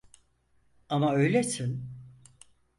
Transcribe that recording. Ama öylesin.